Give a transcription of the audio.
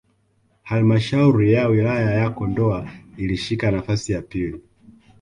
Halmshauri ya Wilaya ya Kondoa ilishika nafasi ya pili